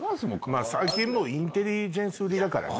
最近もうインテリジェンス売りだからね